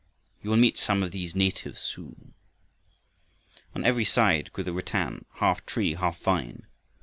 You will meet some of these natives soon." On every side grew the rattan, half tree, half vine.